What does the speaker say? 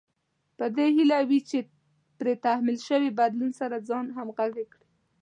په دې هيله وي چې پرې تحمیل شوي بدلون سره ځان همغږی کړي.